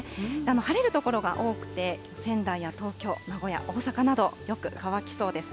晴れる所が多くて、仙台や東京、名古屋、大阪などよく乾きそうです。